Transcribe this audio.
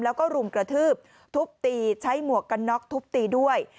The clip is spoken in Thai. แล้วก็รุมกระทืบทุบตีใช้หมวกกันน็อกทุบตีด้วย